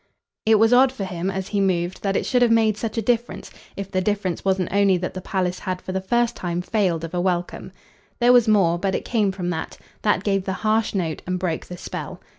It was odd for him, as he moved, that it should have made such a difference if the difference wasn't only that the palace had for the first time failed of a welcome. There was more, but it came from that; that gave the harsh note and broke the spell.